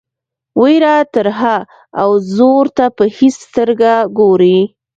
وېره ترهه او زور ته په هیڅ سترګه ګوري.